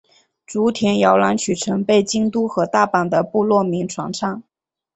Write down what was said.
竹田摇篮曲曾被京都和大阪的部落民传唱。